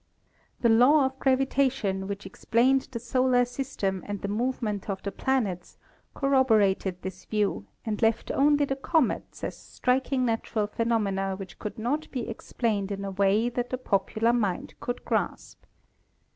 The law of gravitation, which ex plained the solar system and the movement of the planets, corroborated this view and left only the comets as striking natural phenomena which could not be explained in a way that the popular mind could grasp.